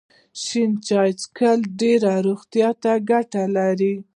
شنه چای څښل ډیرې روغتیايي ګټې لري.